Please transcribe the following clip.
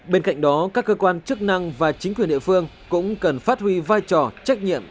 bên cạnh đó các cơ quan chức năng và chính quyền địa phương cũng cần phát huy vai trò trách nhiệm